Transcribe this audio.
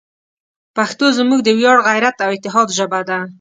پښتو زموږ د ویاړ، غیرت، او اتحاد ژبه ده.